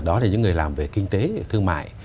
đó là những người làm về kinh tế thương mại